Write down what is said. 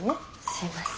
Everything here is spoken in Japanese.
すいません。